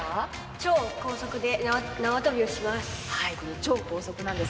超高速で縄跳びをします。